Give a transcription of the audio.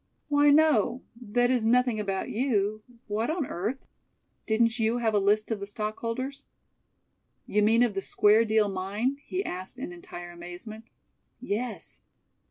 "Why, no. That is, nothing about you. What on earth?" "Didn't you have a list of the stockholders?" "You mean of the Square Deal Mine?" he asked in entire amazement. "Yes."